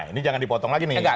ini jangan dipotong lagi nih